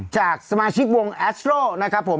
จากสมาชิกวงแอสโรนะครับผม